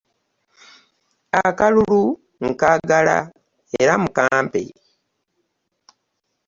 Akalulu nkaagala era mukampe.